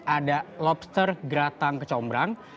ada lobster geratang kecombrang